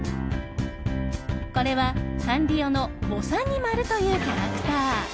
これはサンリオのぼさにまるというキャラクター。